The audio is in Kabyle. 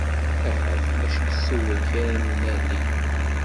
Ahat mačči s tewrek ara nali.